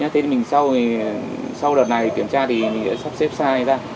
thế mình sau đợt này kiểm tra thì mình sẽ sắp xếp sai ra